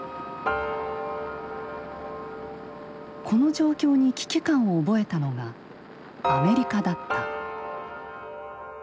この状況に危機感を覚えたのがアメリカだった。